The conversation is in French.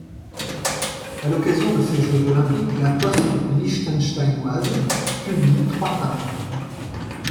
À l'occasion de ces Jeux olympiques, la poste liechtensteinoise publie trois timbres.